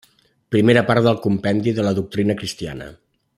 Primera part del compendi de la Doctrina Cristiana.